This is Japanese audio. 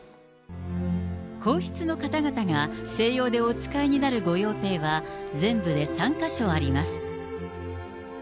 皇室の方々が静養でお使いになる御用邸は全部で３か所あります。